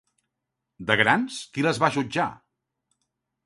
De grans, qui les va jutjar?